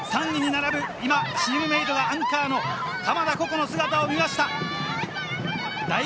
過去最高、３位に並ぶ今、チームメートがアンカーの鎌田幸来の姿を見ました。